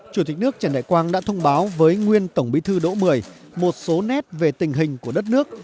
chủ tịch nước trần đại quang đã thông báo với nguyên tổng bí thư đỗ mười một số nét về tình hình của đất nước